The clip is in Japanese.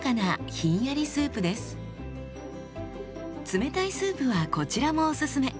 冷たいスープはこちらもおすすめ。